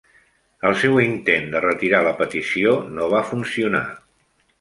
El seu intent de retira la petició no va funcionar.